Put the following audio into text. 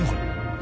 何？